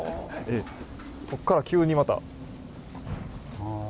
こっから急にまた。